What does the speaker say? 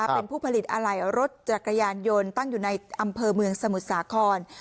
เป็นผู้ผลิตอะไหล่รถจักรยานยนต์ตั้งอยู่ในอำเภอเมืองสมุทรสาคร